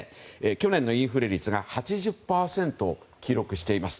去年のインフレ率が８０％を記録しています。